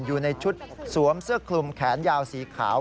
อยู่ในชุดสวมเสื้อคลุมแขนยาวสีขาว